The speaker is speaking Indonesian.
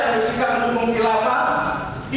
keelapan itu kan mendukung negara lain di luar negara indonesia